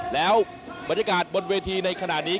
แล้วบรรยากาศบนเวทีในขณะนี้